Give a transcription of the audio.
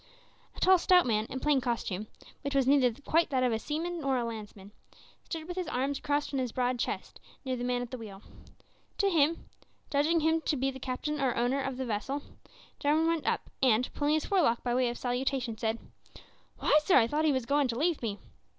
A tall stout man, in plain costume, which was neither quite that of a seaman nor a landsman, stood with his arms crossed on his broad chest near the man at the wheel. To him, judging him to be the captain or owner of the vessel, Jarwin went up, and, pulling his forelock by way of salutation, said "Why, sir, I thought 'ee was a goin' to leave me!"